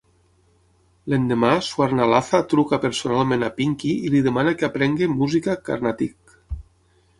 L'endemà Swarnalatha truca personalment a Pinky i li demana que aprengui música Carnatic.